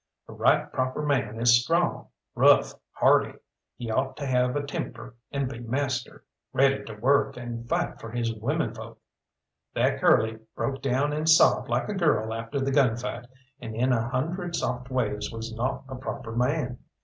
A right proper man is strong, rough, hardy; he ought to have a temper and be master, ready to work and fight for his women folk. That Curly broke down and sobbed like a girl after the gun fight, and in a hundred soft ways was not a proper man.